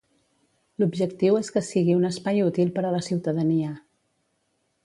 L'objectiu és que sigui un espai útil per a la ciutadania.